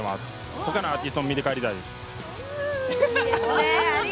ほかのアーティストも見て帰りたいです。